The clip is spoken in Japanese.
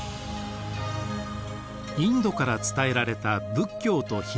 インドから伝えられた仏教とヒンドゥー教。